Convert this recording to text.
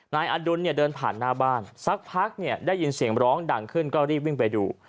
นายอดุลเนี่ยเดินผ่านหน้าบ้านสักพักเนี่ยได้ยินเสียงร้องดังขึ้นก็รีบวิ่งไปดู